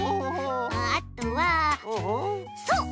あとはそう！